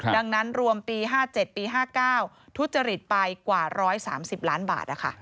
ดังนั้นรวมปี๕๗ปี๕๙ทุจริตไปกว่า๑๓๐ล้านบาท